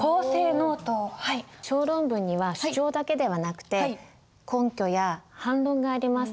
小論文には主張だけではなくて根拠や反論があります。